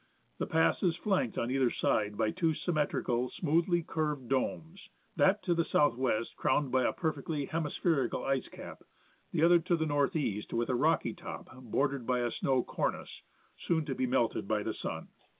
The pass is flanked on either side by two symmetrical, smoothly curved domes, that to the south west crowned by a perfectly hemispherical ice cap, the other to the north east with a rocky top bordered by a snow cor nice, soon to be melted by the sun.